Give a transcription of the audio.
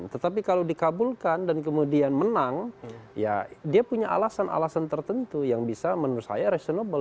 tetapi kalau dikabulkan dan kemudian menang ya dia punya alasan alasan tertentu yang bisa menurut saya reasonable